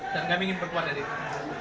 dan kami ingin berkuat dari itu